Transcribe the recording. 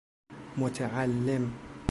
متعلم